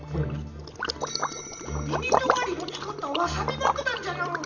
みみとがりのつくったワサビばくだんじゃな。